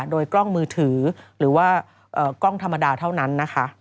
โดยกล้องมือถือหรือว่ากล้องธรรมดาเท่านั้นนะคะ